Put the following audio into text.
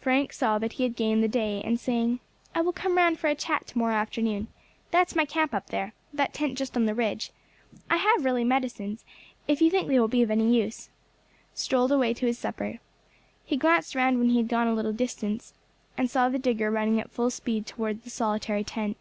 Frank saw that he had gained the day, and saying, "I will come round for a chat to morrow afternoon. That's my camp up there that tent just on the ridge. I have really medicines, if you think they will be of any use," strolled away to his supper. He glanced round when he had gone a little distance, and saw the digger running at full speed towards the solitary tent.